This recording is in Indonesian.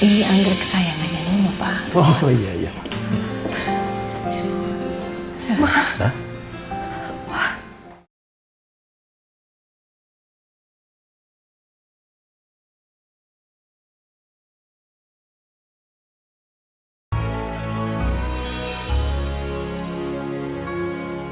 sampai jumpa di video selanjutnya